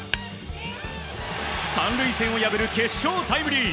３塁線を破る、決勝タイムリー。